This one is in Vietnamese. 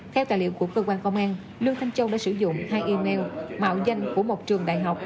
theo tài liệu của cơ quan công an lương thanh châu đã sử dụng hai email mạo danh của một trường đại học